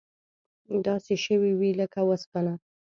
داسې شوي وې لکه وسپنه.